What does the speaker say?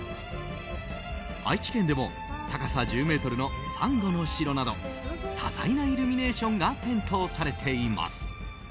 愛知県でも高さ１０ｍのサンゴの城など多彩なイルミネーションが点灯されています。